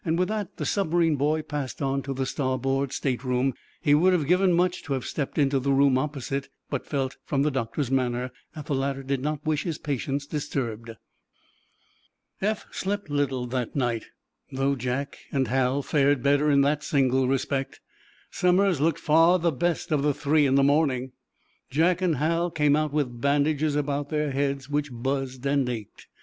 With that the submarine boy passed on to the starboard stateroom. He would have given much to have stepped into the room opposite, but felt, from the doctor's manner, that the latter did not wish his patients disturbed. Eph slept little that night. Though Jack and Hal fared better in that single respect, Somers looked far the best of the three in the morning. Jack and Hal came out with bandages about their heads, which buzzed and ached.